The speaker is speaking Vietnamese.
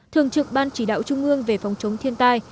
thường trực ban chỉ đạo trung ương về phòng chống thiên tai